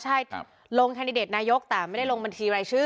ใช่ลงแคนดิเดตนายกแต่ไม่ได้ลงบัญชีรายชื่อ